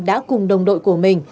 đã cùng đồng đội của mình